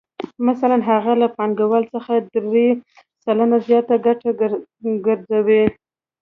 مثلاً هغه له پانګوال څخه درې سلنه زیاته ګټه ګرځوي